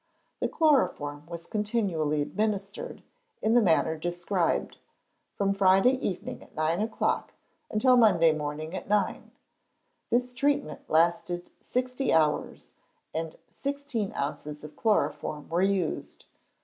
The chloroform was continually administered, in the manner described, from Friday evening at nine o'clock until Monday morning at nine. This treatment lasted sixty hours, and sixteen ounces of chloroform were used.